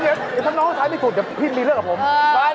เดี๋ยวถ้าน้องชายไม่ขุดเดี๋ยวพี่มีเรื่องกับผม